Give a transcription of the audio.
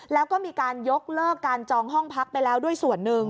แล้วก็มีการยกเลิกการจองห้องพักไปแล้วด้วยส่วนหนึ่ง